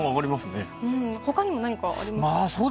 他にも何かありますか？